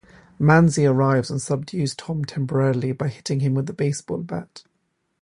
Manzi arrives and subdues Tom temporarily by hitting him with a baseball bat.